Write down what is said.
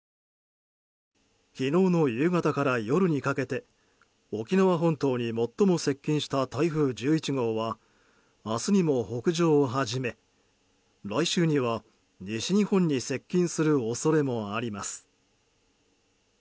昨日の夕方から夜にかけて沖縄本島に最も接近した台風１１号は明日にも北上を始め来週には西日本に接近する恐れもあります。